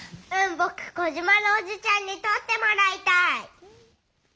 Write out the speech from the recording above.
ぼくコジマのおじちゃんにとってもらいたい。